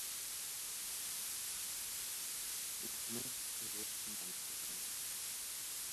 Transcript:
Ufqni qizg‘ish tumanlik qoplagan.